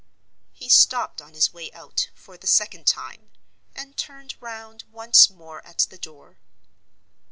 He stopped on his way out, for the second time, and turned round once more at the door.